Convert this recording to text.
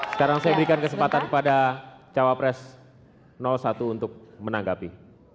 sekarang saya berikan kesempatan kepada cawapres satu untuk menanggapi